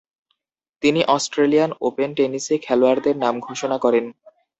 তিনি Australian Open টেনিসে খেলোয়াড়দের নাম ঘোষণা করেন।